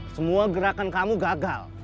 semua gerakan kamu gagal